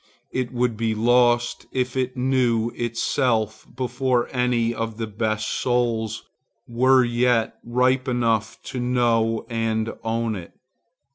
It would be lost if it knew itself before any of the best souls were yet ripe enough to know and own it.